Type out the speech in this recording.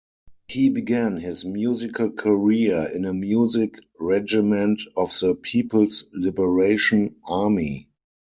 He began his musical career in a music regiment of the People's Liberation Army.